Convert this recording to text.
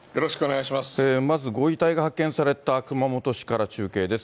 まずご遺体が発見された熊本市から中継です。